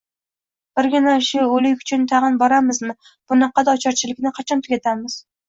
Birgina shu... o‘lik uchun tag‘in boramizmi? Bunaqada ocharchilikni qachon tugatamiz?